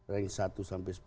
rank satu sampai sepuluh